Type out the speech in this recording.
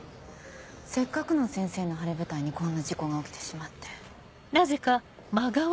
せっかくの先生の晴れ舞台にこんな事故が起きてしまって。